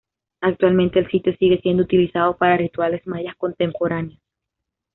Actualmente, el sitio sigue siendo utilizado para rituales mayas contemporáneos.